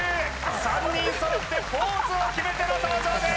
３人揃ってポーズを決めての登場です